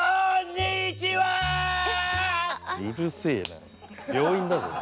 うるせえな病院だぞ。